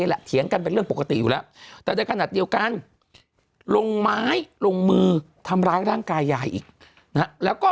เหี้ยงกันเป็นเรื่องปกติอยู่แล้ว